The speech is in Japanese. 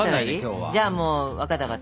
じゃあもう分かった分かった。